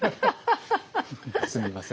すみません。